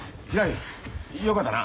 よかったな。